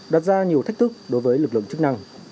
đặt ra nhiều thách thức đối với lực lượng chức năng